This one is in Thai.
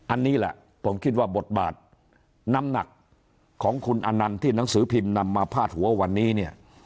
อันนี้แหละผมคิดว่าบทบาทน้ำหนักของคุณอนันต์ที่หนังสือพิมพ์นำมาพาดหัววันนี้เนี่ย